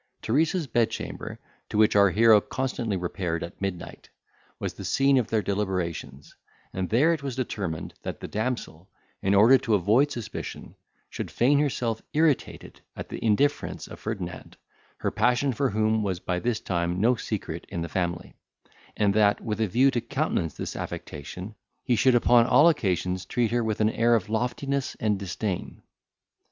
Teresa's bedchamber, to which our hero constantly repaired at midnight, was the scene of their deliberations, and there it was determined that the damsel, in order to avoid suspicion, should feign herself irritated at the indifference of Ferdinand, her passion for whom was by this time no secret in the family; and that, with a view to countenance this affectation, he should upon all occasions treat her with an air of loftiness and disdain.